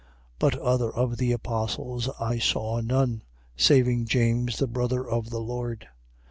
1:19. But other of the apostles I saw none, saving James the brother of the Lord.